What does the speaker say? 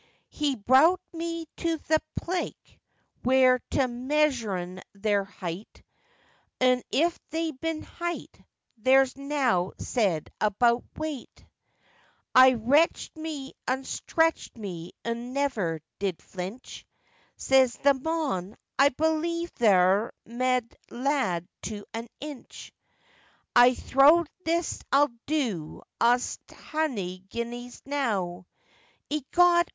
He browt me to th' pleck where te measurn their height, Un if they bin height, there's nowt said about weight; I retched me, un stretched me, un never did flinch, Says th' mon, 'I believe theaw 'rt meh lad to an inch.' I thowt this'll do, I'st ha'e guineas enow, Ecod!